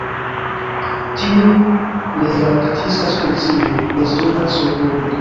Tiu nearktisa specio nestumas surgrunde.